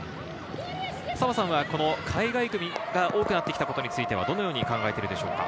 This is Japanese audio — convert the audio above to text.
澤さんは海外組が多くなってきたことについてどのように考えているでしょうか？